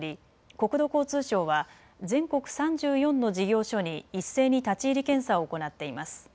国土交通省は全国３４の事業所に一斉に立ち入り検査を行っています。